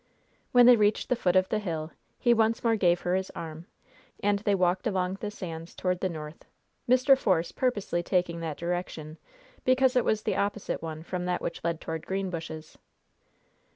When they reached the foot of the hill he once more gave her his arm, and they walked along the sands toward the north Mr. Force purposely taking that direction, because it was the opposite one from that which led toward Greenbushes.